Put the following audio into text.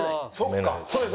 そうです。